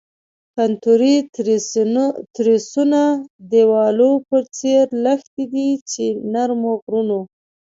کنتوري تریسونه د ویالو په څیر لښتې دي چې د نرمو غرونو.